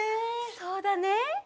そうだね。